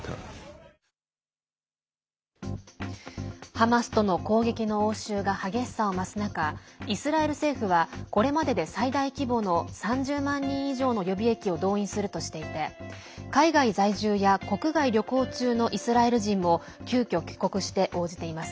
ハマスとの攻撃の応酬が激しさを増す中イスラエル政府は、これまでで最大規模の３０万人以上の予備役を動員するとしていて海外在住や国外旅行中のイスラエル人も急きょ、帰国して応じています。